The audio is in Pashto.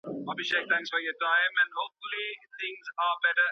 که ماشومانو ته صحي خواړه ورکړل سي، نو د خوارځواکۍ ښکار نه کیږي.